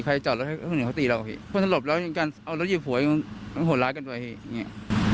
ใครจอดรถให้เขาหนีกันเขาตีเรากันพี่คนทำรบแล้วจึงการเอารถหยิบหัวให้มันโหลดร้ายกันไว้เฮ้อย่างเงี้ย